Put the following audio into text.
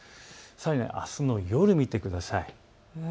さらにあすの夜を見てください。